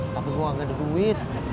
tapi gue nggak ada duit